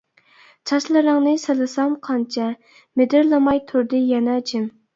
چاچلىرىڭنى سىلىسام قانچە، مىدىرلىماي تۇردى يەنە جىم.